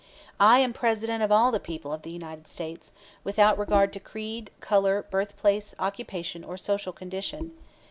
I am President of all the people of the United States, without regard to creed, color, birthplace, occupation or social condition.